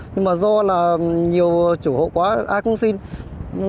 nhưng mà do là nhiều chủ hộ quá ai cũng xin